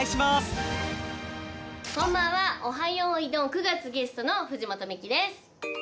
９がつゲストの藤本美貴です。